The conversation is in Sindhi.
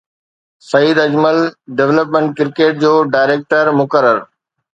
سعيد اجمل ڊولپمينٽ ڪرڪيٽ جو ڊائريڪٽر مقرر